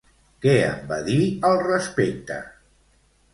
Què en va dir al respecte?